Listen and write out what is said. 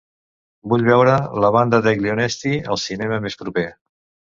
Vull veure "La banda degli onesti" al cinema més proper.